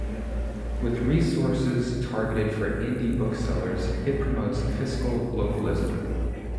With resources targeted for "indie" booksellers, it promotes fiscal localism.